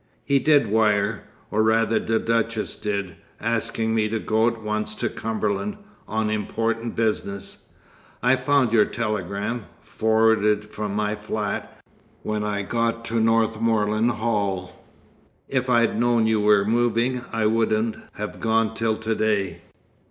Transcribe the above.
"He did wire. Or rather the Duchess did, asking me to go at once to Cumberland, on important business. I found your telegram, forwarded from my flat, when I got to Northmorland Hall. If I'd known you were moving, I wouldn't have gone till to day."